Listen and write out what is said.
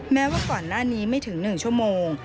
แม้ว่าก่อนหน้านี้ไม่ถึง๑ชั่วโมง